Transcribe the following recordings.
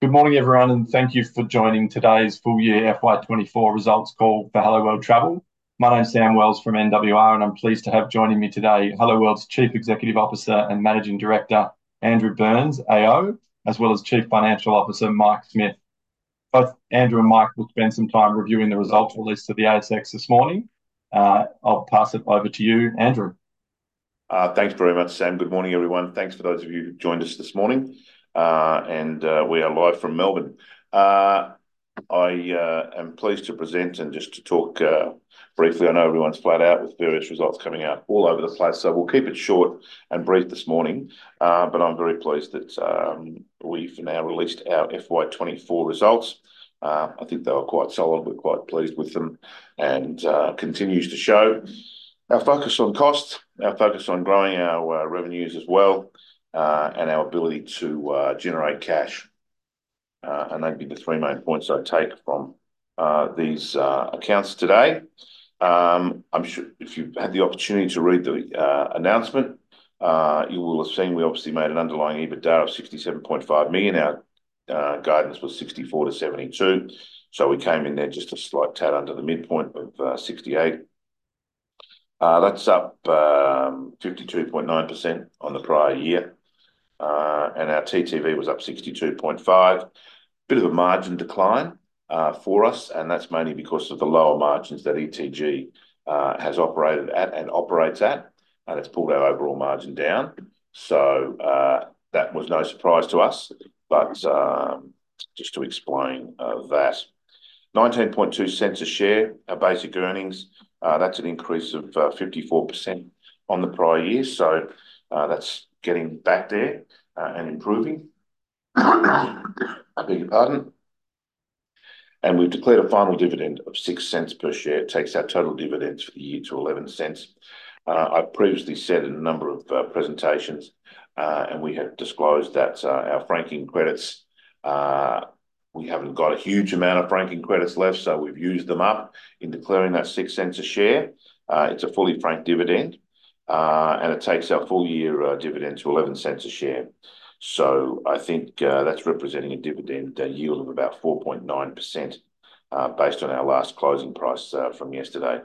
Good morning, everyone, and thank you for joining today's full year FY 2024 results call for Helloworld Travel. My name is Sam Wells from NWR, and I'm pleased to have joining me today, Helloworld's Chief Executive Officer and Managing Director, Andrew Burnes, AO, as well as Chief Financial Officer, Mike Smith. Both Andrew and Mike will spend some time reviewing the results released to the ASX this morning. I'll pass it over to you, Andrew. Thanks very much, Sam. Good morning, everyone. Thanks for those of you who joined us this morning, and we are live from Melbourne. I am pleased to present and just to talk briefly. I know everyone's flat out with various results coming out all over the place, so we'll keep it short and brief this morning. But I'm very pleased that we've now released our FY 2024 results. I think they were quite solid. We're quite pleased with them and continues to show our focus on cost, our focus on growing our revenues as well, and our ability to generate cash. And they'd be the three main points I take from these accounts today. I'm sure if you've had the opportunity to read the announcement, you will have seen we obviously made an underlying EBITDA of 67.5 million. Our guidance was 64 million-72 million, so we came in there just a slight tad under the midpoint of 68. That's up 52.9% on the prior year, and our TTV was up 62.5%. Bit of a margin decline for us, and that's mainly because of the lower margins that ETG has operated at and operates at, and it's pulled our overall margin down. That was no surprise to us, but just to explain that. 0.192 per share, our basic earnings. That's an increase of 54% on the prior year, so that's getting back there and improving. I beg your pardon, and we've declared a final dividend of 0.06 per share, takes our total dividends for the year to 0.11. I've previously said in a number of presentations, and we have disclosed that our franking credits, we haven't got a huge amount of franking credits left, so we've used them up in declaring that 0.06 a share. It's a fully franked dividend, and it takes our full year dividend to 0.11 a share. So I think that's representing a dividend, a yield of about 4.9%, based on our last closing price from yesterday.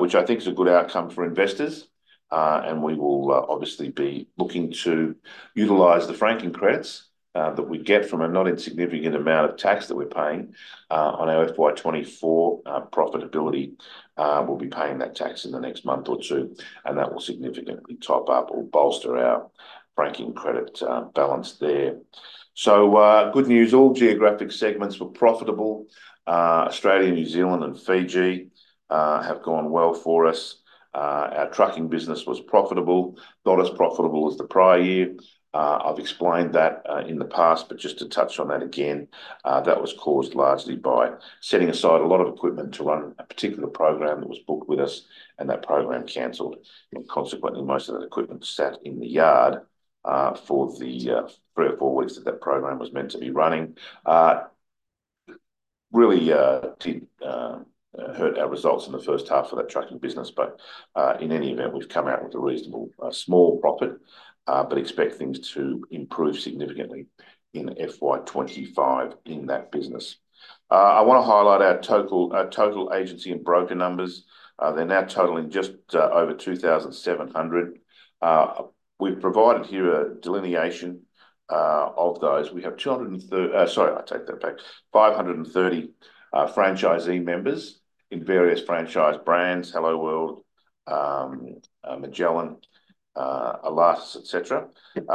which I think is a good outcome for investors, and we will, obviously, be looking to utilize the franking credits that we get from a not insignificant amount of tax that we're paying on our FY 2024 profitability. We'll be paying that tax in the next month or two, and that will significantly top up or bolster our franking credit balance there. Good news, all geographic segments were profitable. Australia, New Zealand and Fiji have gone well for us. Our trucking business was profitable, not as profitable as the prior year. I've explained that in the past, but just to touch on that again, that was caused largely by setting aside a lot of equipment to run a particular program that was booked with us, and that program canceled. And consequently, most of that equipment sat in the yard for the three or four weeks that that program was meant to be running. Really did hurt our results in the first half of that trucking business, but in any event, we've come out with a reasonable small profit, but expect things to improve significantly in FY 2025 in that business. I want to highlight our total agency and broker numbers. They're now totaling just over 2,700. We've provided here a delineation of those. Sorry, I take that back. We have 530 franchisee members in various franchise brands, Helloworld, Magellan, Alas, et cetera.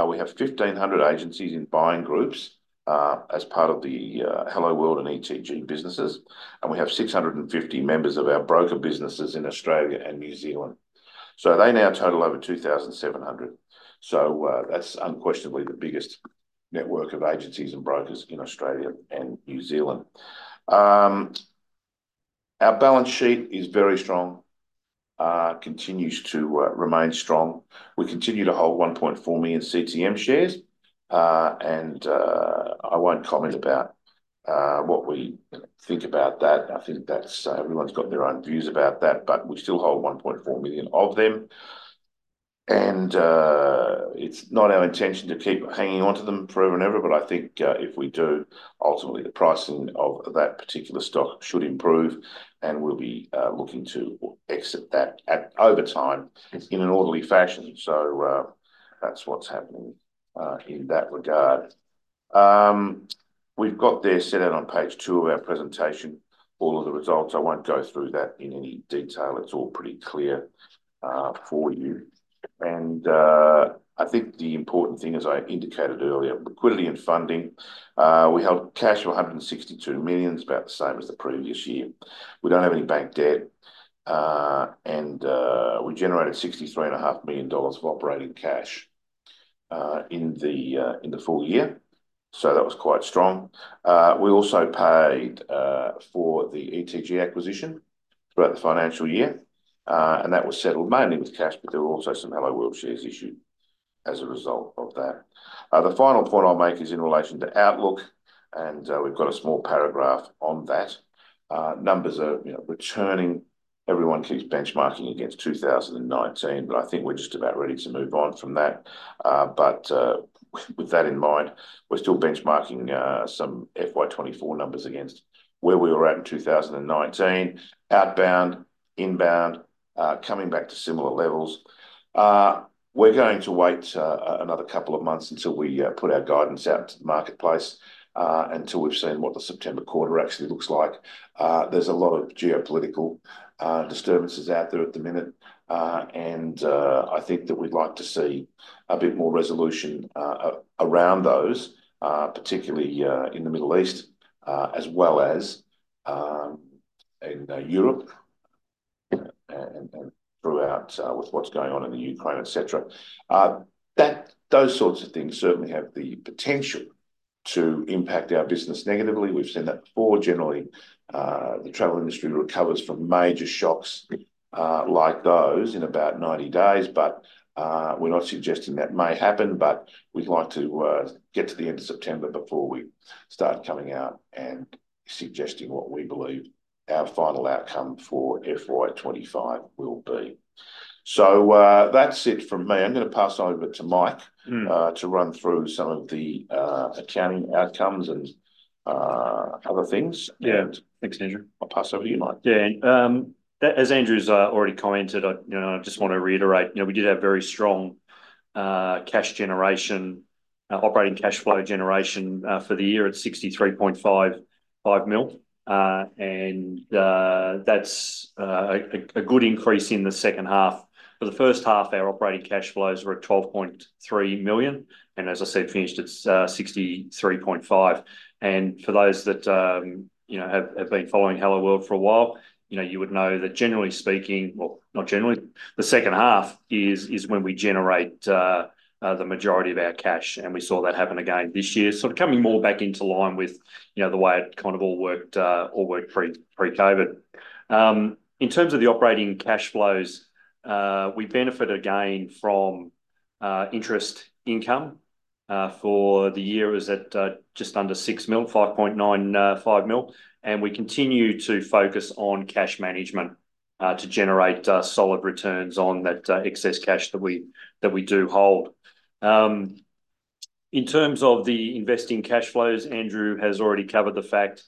We have 1,500 agencies in buying groups, as part of the Helloworld and ETG businesses, and we have 650 members of our broker businesses in Australia and New Zealand, so they now total over 2,700, so that's unquestionably the biggest network of agencies and brokers in Australia and New Zealand. Our balance sheet is very strong, continues to remain strong. We continue to hold 1.4 million CTM shares, and I won't comment about what we think about that. I think that's everyone's got their own views about that, but we still hold 1.4 million of them. And, it's not our intention to keep hanging on to them forever and ever, but I think, if we do, ultimately, the pricing of that particular stock should improve, and we'll be looking to exit that at over time in an orderly fashion. So, that's what's happening in that regard. We've got there, set out on page two of our presentation, all of the results. I won't go through that in any detail. It's all pretty clear for you. And, I think the important thing, as I indicated earlier, liquidity and funding. We held cash of 162 million. It's about the same as the previous year. We don't have any bank debt, and we generated 63.5 million of operating cash in the full year, so that was quite strong. We also paid for the ETG acquisition throughout the financial year, and that was settled mainly with cash, but there were also some Helloworld shares issued as a result of that. The final point I'll make is in relation to outlook. We've got a small paragraph on that. Numbers are, you know, returning. Everyone keeps benchmarking against 2019, but I think we're just about ready to move on from that. But with that in mind, we're still benchmarking some FY24 numbers against where we were at in 2019. Outbound, inbound, coming back to similar levels. We're going to wait another couple of months until we put our guidance out to the marketplace until we've seen what the September quarter actually looks like. There's a lot of geopolitical disturbances out there at the minute. I think that we'd like to see a bit more resolution around those particularly in the Middle East as well as in Europe and throughout with what's going on in the Ukraine, et cetera. Those sorts of things certainly have the potential to impact our business negatively. We've seen that before. Generally, the travel industry recovers from major shocks like those in about 90 days, but we're not suggesting that may happen, but we'd like to get to the end of September before we start coming out and suggesting what we believe our final outcome for FY 2025 will be. So, that's it from me. I'm going to pass over to Mike. Mm. to run through some of the accounting outcomes and other things. Yeah. Thanks, Andrew. I'll pass over to you, Mike. Yeah, as Andrew's already commented, I, you know, I just want to reiterate, you know, we did have very strong cash generation- operating cash flow generation for the year at 63.5 million. And that's a good increase in the second half. For the first half, our operating cash flows were at 12.3 million, and as I said, finished at 63.5 million. And for those that, you know, have been following Helloworld for a while, you know, you would know that generally speaking- well, not generally, the second half is when we generate the majority of our cash, and we saw that happen again this year. Sort of coming more back into line with, you know, the way it kind of all worked pre-COVID. In terms of the operating cash flows, we benefited again from interest income. For the year it was at just under 6 million, 5.9 million, and we continue to focus on cash management to generate solid returns on that excess cash that we do hold. In terms of the investing cash flows, Andrew has already covered the fact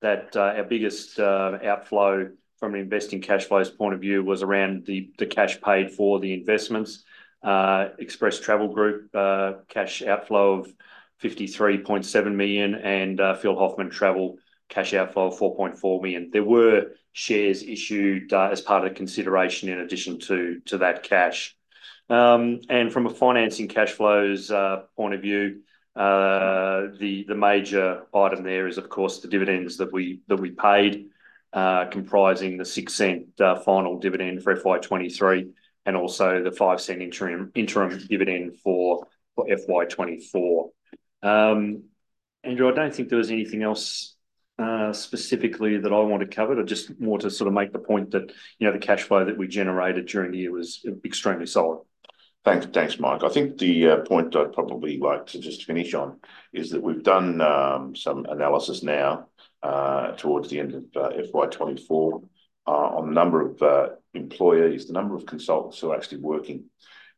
that our biggest outflow from an investing cash flows point of view was around the cash paid for the investments. Express Travel Group, cash outflow of 53.7 million and Phil Hoffmann Travel, cash outflow of 4.4 million. There were shares issued as part of consideration in addition to that cash. And from a financing cash flows point of view, the major item there is, of course, the dividends that we paid, comprising the 0.06 final dividend for FY 2023, and also the 0.05 interim dividend for FY 2024. Andrew, I don't think there was anything else specifically that I want to cover. I just want to sort of make the point that, you know, the cash flow that we generated during the year was extremely solid. Thanks. Thanks, Mike. I think the point I'd probably like to just finish on is that we've done some analysis now towards the end of FY 2024 on the number of employees, the number of consultants who are actually working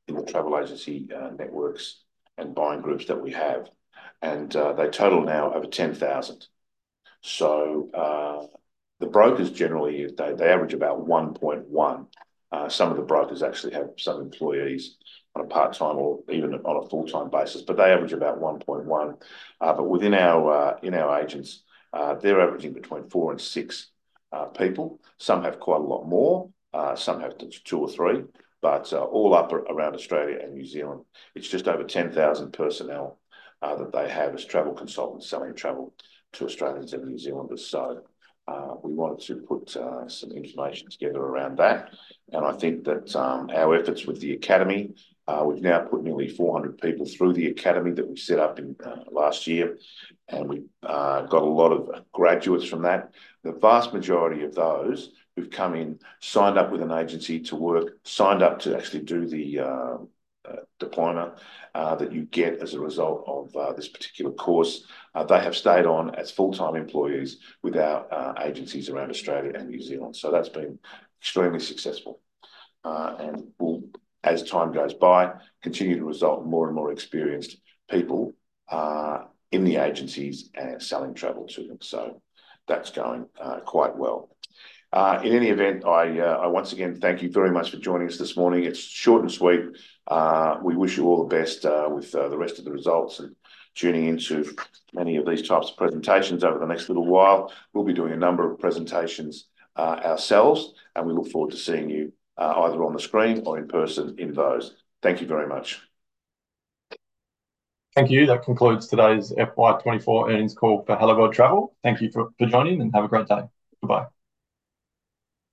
in the- Mm.. travel agency networks and buying groups that we have, and they total now over 10,000. So, the brokers, generally, they average about 1.1. Some of the brokers actually have some employees on a part-time or even on a full-time basis, but they average about 1.1. But within our agents, they're averaging between four and six people. Some have quite a lot more, some have just two or three, but all up around Australia and New Zealand, it's just over 10,000 personnel that they have as travel consultants selling travel to Australians and New Zealanders. We wanted to put some information together around that, and I think that our efforts with the academy, we've now put nearly 400 people through the academy that we set up in last year, and we've got a lot of graduates from that. The vast majority of those who've come in, signed up with an agency to work, signed up to actually do the diploma that you get as a result of this particular course. They have stayed on as full-time employees with our agencies around Australia and New Zealand, so that's been extremely successful, and we'll, as time goes by, continue to result in more and more experienced people in the agencies and selling travel to them. That's going quite well. In any event, I once again thank you very much for joining us this morning. It's short and sweet. We wish you all the best with the rest of the results and tuning into many of these types of presentations over the next little while. We'll be doing a number of presentations ourselves, and we look forward to seeing you either on the screen or in person in those. Thank you very much. Thank you. That concludes today's FY24 earnings call for Helloworld Travel. Thank you for joining, and have a great day. Goodbye.